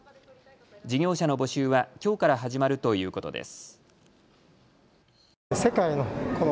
事業者の募集はきょうから始まるということです。